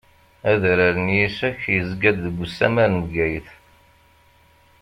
Adrar n Yisek yezga-d deg usammar n Bgayet.